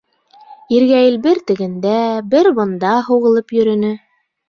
Иргәйел бер тегендә, бер бында һуғылып йөрөнө.